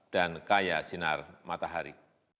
dan kaya sinar matahari